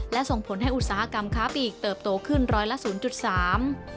และส่งผลให้อุตสาหกรรมค้าปลีกเติบโตขึ้นร้อยละ๐๓